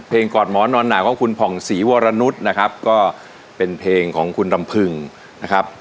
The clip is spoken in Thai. กอดหมอนอนหนาวของคุณผ่องศรีวรนุษย์นะครับก็เป็นเพลงของคุณลำพึงนะครับ